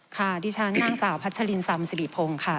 ค่ะดิฉันนางสาวพัชลินซำสิริพงศ์ค่ะ